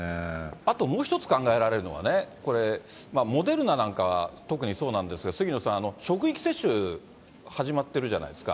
あともう一つ考えられるのはね、モデルナなんかは特にそうなんですが、杉野さん、職域接種、始まってるじゃないですか。